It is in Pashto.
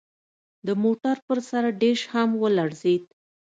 د موټر پر سر ډیش هم ولړزید